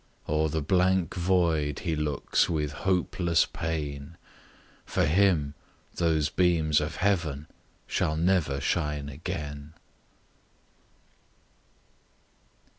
O'er the blank void he looks with hopeless pain; For him those beams of heaven shall never shine again.